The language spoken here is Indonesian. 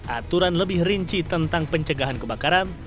aturan lebih rinci tentang pencegahan kebakaran